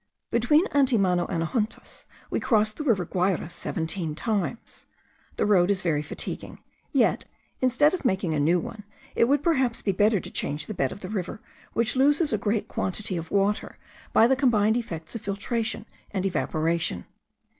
Between Antimano and Ajuntas we crossed the Rio Guayra seventeen times. The road is very fatiguing; yet, instead of making a new one, it would perhaps be better to change the bed of the river, which loses a great quantity of water by the combined effects of filtration and evaporation.